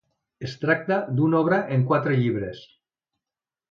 Es tracta d'una obra en quatre llibres.